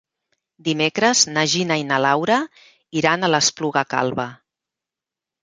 Dimecres na Gina i na Laura iran a l'Espluga Calba.